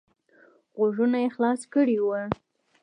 غوږونه یې خلاص کړي وو.